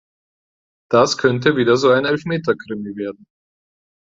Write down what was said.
Das könnte wieder so ein Elfmeterkrimi werden.